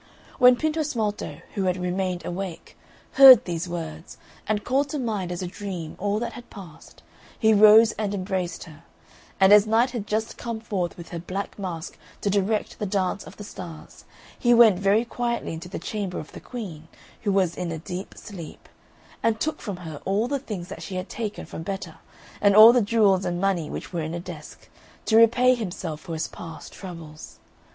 When Pintosmalto, who had remained awake, heard these words, and called to mind as a dream all that had passed, he rose and embraced her; and as Night had just come forth with her black mask to direct the dance of the Stars, he went very quietly into the chamber of the Queen, who was in a deep sleep, and took from her all the things that she had taken from Betta, and all the jewels and money which were in a desk, to repay himself for his past troubles.